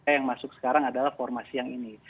eh yang masuk sekarang adalah formasi yang ini